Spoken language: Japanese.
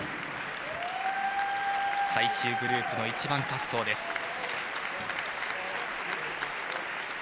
最終グループの１番滑走です。